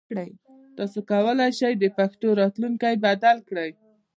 تاسو کولای شئ د پښتو راتلونکی بدل کړئ.